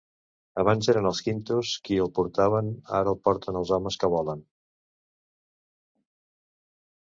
Abans eren els Quintos qui el portaven, ara el porten els homes que volen.